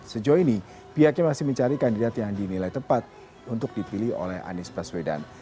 sejauh ini pihaknya masih mencari kandidat yang dinilai tepat untuk dipilih oleh anies baswedan